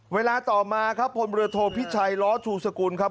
เวลาต่อมาครับพลเรือโทพิชัยล้อชูสกุลครับ